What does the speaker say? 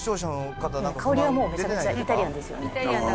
香りはもうめちゃめちゃイタリアンですよね。